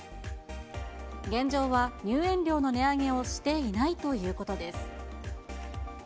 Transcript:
現状は入園料の値上げをしていないということです。